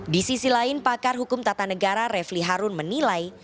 di sisi lain pakar hukum tata negara refli harun menilai